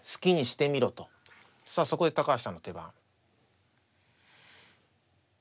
さあそこで高橋さんの手番。